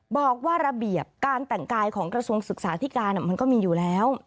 บอกว่าระเบียบการแต่งกายของกระทรวงศึกษาธิการมันก็มีอยู่แล้ว